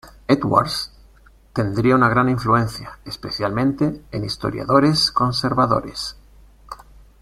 Edwards tendría una gran influencia, especialmente en historiadores conservadores.